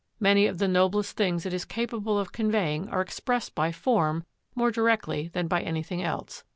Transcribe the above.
Many of the noblest things it is capable of conveying are expressed by form more directly than by anything else.